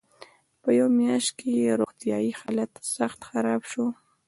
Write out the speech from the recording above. په یوه میاشت کې یې روغتیایي حالت سخت خراب شو.